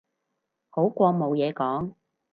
好過冇嘢講